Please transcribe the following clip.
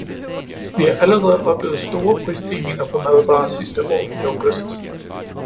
Vi har allerede oplevet store prisstigninger på madvarer sidste år i august.